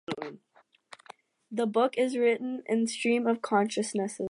The book is written in stream of consciousnesses.